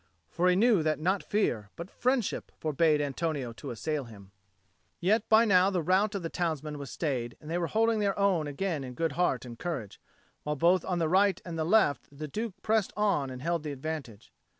For he knew that not fear, but friendship, forbade Antonio to assail him. Yet by now the rout of the townsmen was stayed and they were holding their own again in good heart and courage, while both on the right and on the left the Duke pressed on and held the advantage.